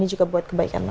ini juga buat kebaikan mama